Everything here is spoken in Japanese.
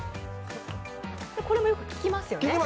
これもよく聞きますよね